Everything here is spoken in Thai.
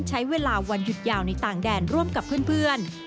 ใช้เวลาวันหยุดยาวในต่างแดนร่วมกับเพื่อน